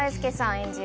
演じる